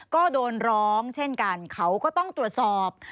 ก็โดนร้องเช่นกันเขาก็ต้องตรวจสอบ